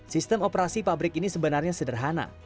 sistem operasi pabrik ini sebenarnya sederhana